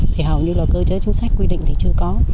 thì hầu như là cơ chế chính sách quy định thì chưa có